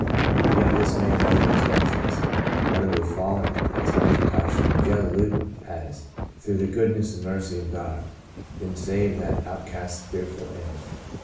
" Yet this man, in other respects as utterly fallen as Mcintosh Jellaludin, has, through the goodness and mercy of God, been saved that outcast's fearful end.